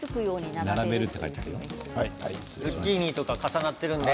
ズッキーニと重なっているので。